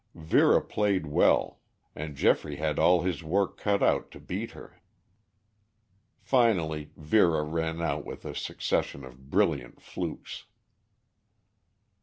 Vera played well and Geoffrey had all his work cut out to beat her. Finally Vera ran out with a succession of brilliant flukes.